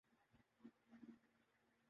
اس لئے ناکام ہی گزری۔